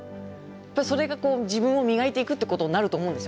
それがこう自分を磨いていくっていうことになると思うんですよ。